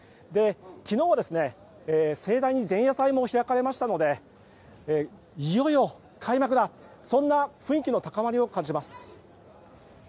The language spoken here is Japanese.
昨日は盛大に前夜祭も開かれましたのでいよいよ開幕だそんな雰囲気の高まりを感じます。